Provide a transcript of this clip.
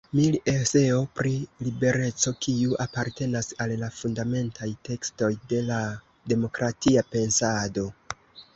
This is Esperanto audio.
Mill “Eseo pri libereco, kiu apartenas al la fundamentaj tekstoj de la demokratia pensado.